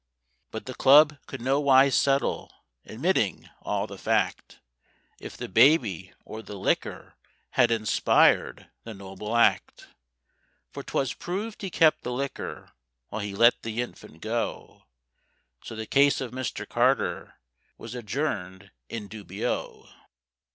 But the club could nowise settle, admitting all the fact, If the baby or the liquor had inspired the noble act, For 'twas proved he kept the liquor while he let the infant go, So the case of Mr. Carter was adjourned in dubio.